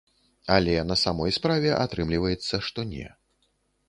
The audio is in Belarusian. Але на самой справе атрымліваецца, што не.